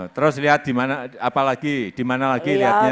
terus lihat di mana apalagi di mana lagi lihatnya